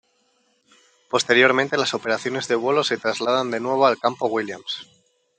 Posteriormente las operaciones de vuelo se trasladan de nuevo al Campo Williams.